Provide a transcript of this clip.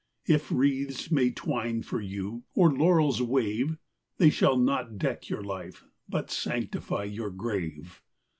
If wreaths may twine for you, or laurels wave, They shall not deck your life, but sanctify your grave.